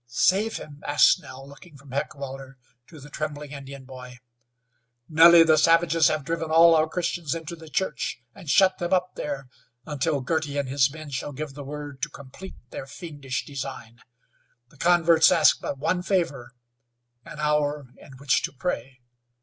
"Save him?" asked Nell, looking from Heckewelder to the trembling Indian boy. "Nellie, the savages have driven all our Christians into the church, and shut them up there, until Girty and his men shall give the word to complete their fiendish design. The converts asked but one favor an hour in which to pray.